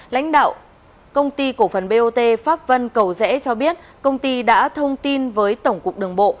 lãnh đạo công ty cổ phần bot pháp vân cầu rẽ cho biết công ty đã thông tin với tổng cục đường bộ